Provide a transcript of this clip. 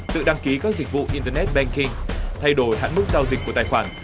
tự đăng ký các dịch vụ internet banking thay đổi hạn mức giao dịch của tài khoản